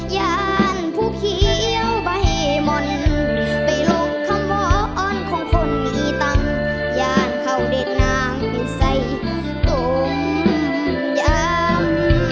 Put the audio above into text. ยานผู้เขียวบ่เหมือนไปลงคำวอนของคนอีตังยานเขาเด็ดนางไปใส่ตมยาม